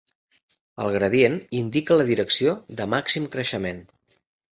El gradient indica la direcció de màxim creixement.